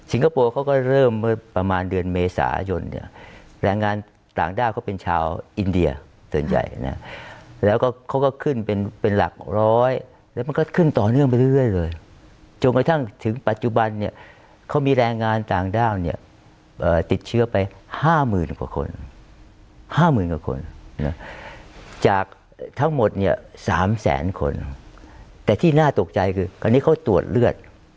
คโปร์เขาก็เริ่มเมื่อประมาณเดือนเมษายนเนี่ยแรงงานต่างด้าวเขาเป็นชาวอินเดียส่วนใหญ่นะแล้วก็เขาก็ขึ้นเป็นเป็นหลักร้อยแล้วมันก็ขึ้นต่อเนื่องไปเรื่อยเลยจนกระทั่งถึงปัจจุบันเนี่ยเขามีแรงงานต่างด้าวเนี่ยติดเชื้อไปห้าหมื่นกว่าคนห้าหมื่นกว่าคนนะจากทั้งหมดเนี่ย๓แสนคนแต่ที่น่าตกใจคืออันนี้เขาตรวจเลือด